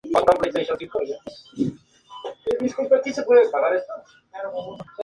De este antiguo templo se conserva una celosía en el actual iglesia.